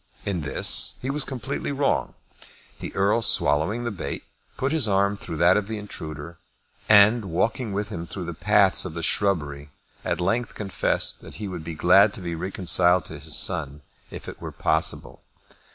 In this he was completely wrong. The Earl, swallowing the bait, put his arm through that of the intruder, and, walking with him through the paths of the shrubbery, at length confessed that he would be glad to be reconciled to his son if it were possible.